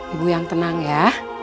ibu yang tenang ya